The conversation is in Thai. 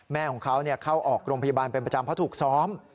แม่ของเขาเข้าออกโรงพยาบาลเป็นประจำเพราะถูกซ้อม